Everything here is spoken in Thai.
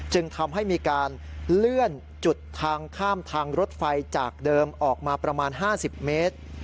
จึงทำให้มีการเลื่อนจุดทางข้ามทางรถไฟจากเดิมออกมาประมาณ๕๐เมตร